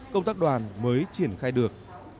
công tác đoàn mới triển khai được